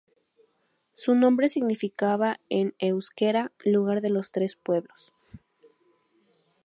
Su nombre significaba en euskera "lugar de los tres pueblos".